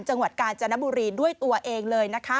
จังหวัดกาญจนบุรีด้วยตัวเองเลยนะคะ